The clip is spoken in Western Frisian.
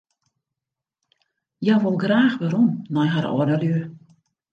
Hja wol graach werom nei har âldelju.